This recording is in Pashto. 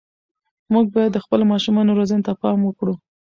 موږ باید د خپلو ماشومانو روزنې ته پام وکړو.